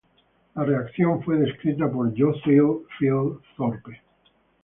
La reacción fue descrita por Jocelyn Field Thorpe.